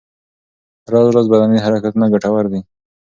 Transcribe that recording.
راز راز بدني حرکتونه ګټور دي.